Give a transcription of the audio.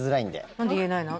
なんで言えないの？